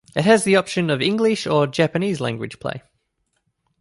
It has the option of English or Japanese-language play.